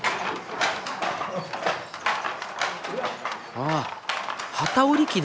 あ機織り機だ。